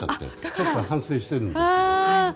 ちょっと反省しているんです。